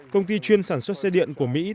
công ty chuyên sản xuất xe điện của mỹ